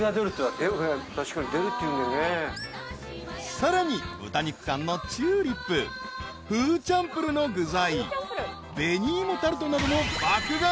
［さらに豚肉缶のチューリップ］［フーチャンプルーの具材紅いもタルトなどを爆買い］